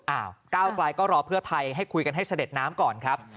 ก้าวกลายก็รอเพื่อไทยให้คุยกันให้เสด็จน้ำก่อนครับ